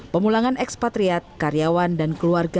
pemulangan ekspatriat karyawan dan keluarga